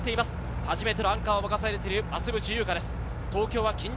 初めてのアンカーを任されている増渕祐香です。